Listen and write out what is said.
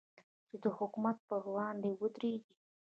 چې د حکومت پر وړاندې ودرېږي.